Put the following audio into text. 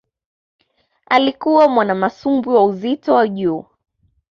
Alikuwa mwanamasumbwi wa uzito wa juu